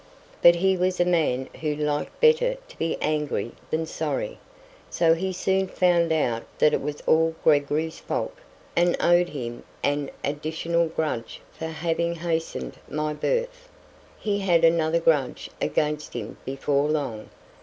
But he was a man who liked better to be angry than sorry, so he soon found out that it was all Gregory's fault, and owed him an additional grudge for having hastened my birth. He had another grudge against him before long.